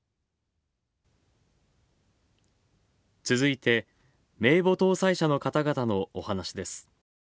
続いて、名簿登載者の方々の、お話です。